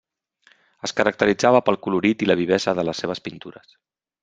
Es caracteritzava pel colorit i la vivesa de les seves pintures.